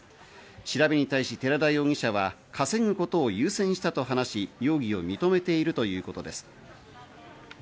調べに対し寺田容疑者は、稼ぐことを優先したと話し、容疑を認めているということです。